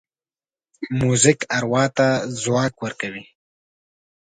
موزیک اروا ته ځواک ورکوي.